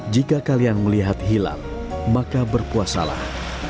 jika kalian melihat hilal maka berpuasalah